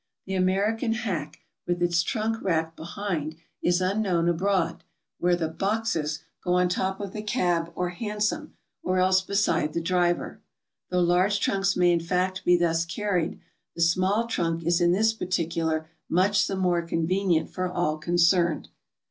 The American hack with its trunk rack behind is unknown aibroad, where the ''boxes" go on top of the cab or hansom, or else beside the driver. Though large trunks may in fact be thus carried, the small trunk is in this particular much the more con venient for all concerned.